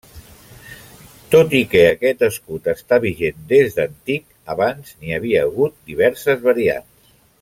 Tot i que aquest escut està vigent des d'antic, abans n'hi havia hagut diverses variants.